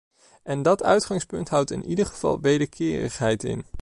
En dat uitgangspunt houdt in ieder geval wederkerigheid in.